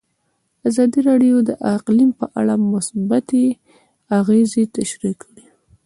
ازادي راډیو د اقلیم په اړه مثبت اغېزې تشریح کړي.